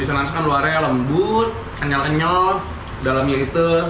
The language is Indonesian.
isian nanas kan luarnya lembut kenyal kenyal dalamnya itu